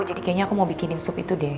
jadi kayaknya aku mau bikinin sup itu deh